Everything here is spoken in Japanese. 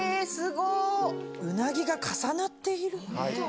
・うなぎが重なっている。